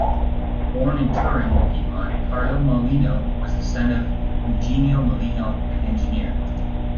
Born in Turin, Piedmont, Carlo Mollino was the son of Eugenio Mollino, an engineer.